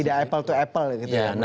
tidak apple to apple gitu ya